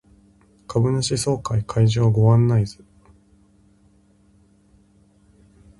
株主総会会場ご案内図